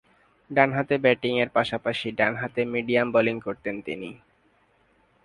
ডানহাতে ব্যাটিংয়ের পাশাপাশি ডানহাতে মিডিয়াম বোলিং করতেন তিনি।